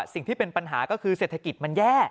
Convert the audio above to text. สิ่งที่เป็นปัญหาก็คือเศรษฐกิจมันแย่